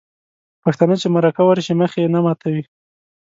پښتانه چې مرکه ورشي مخ یې نه ماتوي.